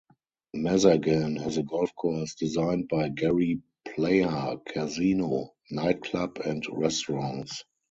Mazagan has a golf course designed by Gary Player, casino, nightclub and restaurants.